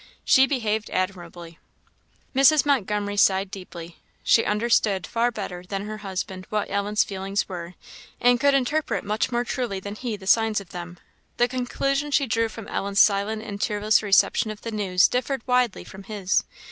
She behaved admirably." Mrs. Montgomery sighed deeply. She understood far better than her husband what Ellen's feelings were, and could interpret much more truly than he the signs of them; the conclusion she drew from Ellen's silent and tearless reception of the news differed widely from his.